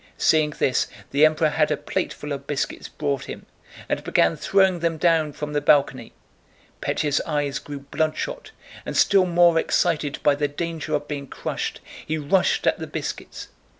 Seeing this the Emperor had a plateful of biscuits brought him and began throwing them down from the balcony. Pétya's eyes grew bloodshot, and still more excited by the danger of being crushed, he rushed at the biscuits.